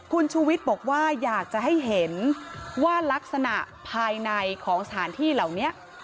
คุณชูวิทย์บอกว่าอยากจะให้เห็นว่ารักษณะภายในของสถานที่เหล่านี้